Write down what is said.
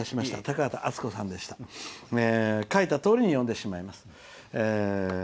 書いたとおりに読んでしまいます。